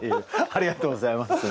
ありがとうございます。